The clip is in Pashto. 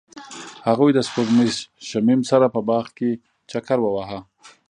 هغوی د سپوږمیز شمیم سره په باغ کې چکر وواهه.